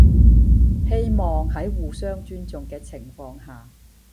希望喺互相尊重嘅情況下